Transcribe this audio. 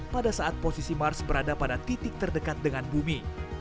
pada saat posisi mars berada pada titik terdekat dengan bumi